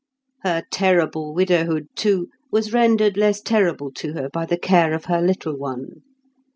Her terrible widowhood, too, was rendered less terrible to her by the care of her little one.